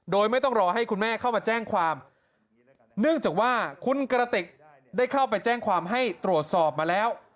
โดยไม่ต้องรอให้คุณแม่เข้ามาแจ้งความเนื่องจากว่าคุณกระติกได้เข้าไปแจ้งความให้ตรวจสอบมาแล้ว